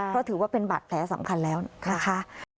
เพราะถือว่าเป็นบาดแผลสำคัญแล้วนะคะ